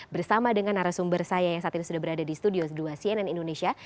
bersama dengan narasumber saya yang saat ini sudah berada di studio dua cnn indonesia